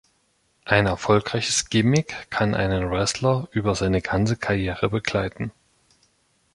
Ein erfolgreiches Gimmick kann einen Wrestler über seine ganze Karriere begleiten.